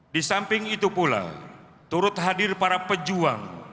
di samping itu pula turut hadir para pejuang